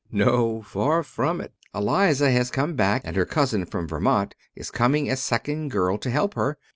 "No; far from it. Eliza has come back, and her cousin from Vermont is coming as second girl to help her.